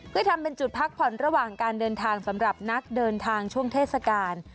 เพื่อทำเป็นจุดพักผ่อนระหว่างการเดินทางสำหรับนักเดินทางช่วงเทศกาล